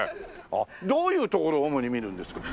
あっどういうところを主に見るんですか？